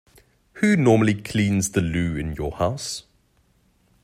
Who normally cleans the loo in your house?